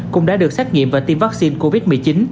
cũng đã được xét nghiệm và tiêm vaccine covid một mươi chín